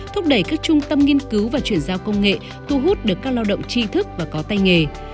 thúc đẩy các trung tâm nghiên cứu và chuyển giao công nghệ thu hút được các lao động tri thức và có tay nghề